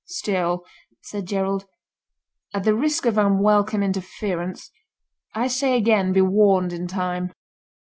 "Still," said Gerald, "at the risk of unwelcome interference, I say again be warned in time."